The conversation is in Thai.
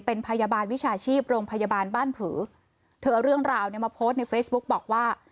เป็นพยาบาลวิชาชีพโรงพยาบาลบ้านผือเธอเอาเรื่องราวเนี่ยมาโพสต์ในเฟซบุ๊กบอกว่า